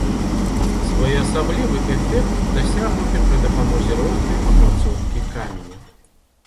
Своеасаблівы эфект дасягнуты пры дапамозе рознай апрацоўкі каменю.